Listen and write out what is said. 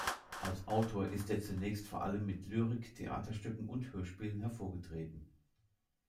Als Autor ist er zunächst vor allem mit Lyrik, Theaterstücken und Hörspielen hervorgetreten.